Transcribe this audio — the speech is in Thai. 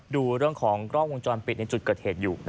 ดูเรื่องของกล้องวงจรปิดในจุดเกิดเหตุอยู่